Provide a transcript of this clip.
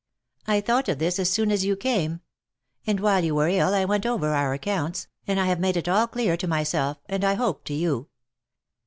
I thought of this as soon as you came ; and while you were ill I went over our accounts, and I have made it all clear to myself, and I hope to you.